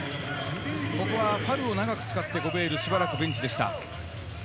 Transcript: ファルを長く使って、ゴベールはしばらくベンチでした。